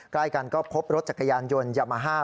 ใกล้กันก็พบรถจักรยานยนต์ยามาฮ่า